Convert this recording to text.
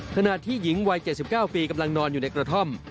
ขณะที่หญิงวัยเจ็ดสิบเก้าปีกำลังนอนอยู่ในกระท่อม